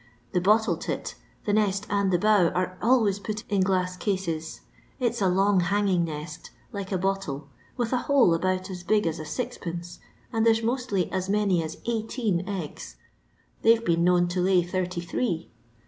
The Bottletit— the nest and the bough are al ways put in gUss cases; it's a long Ittqgiag nest, like a bottle, with a hole about aa Ug as a sixpence, and there 's mostly as many aa eightssa eggs ; they 'to been known to lay thirty thrcs.